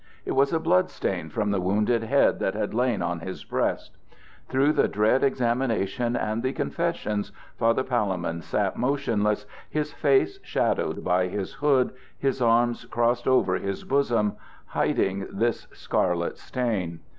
It was a blood stain from the wounded head that had lain on his breast. Through the dread examination and the confessions Father Palemon sat motionless, his face shadowed by his hood, his arms crossed over his bosom, hiding this scarlet stain.